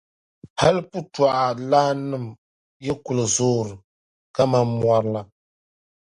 Hal putɔɣulaannim’ yi kul zoori kaman mɔri la.